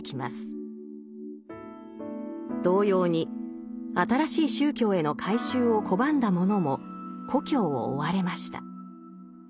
同様に新しい宗教への改宗を拒んだ者も故郷を追われました。